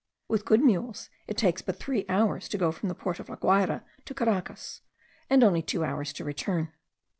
With good mules it takes but three hours to go from the port of La Guayra to Caracas; and only two hours to return.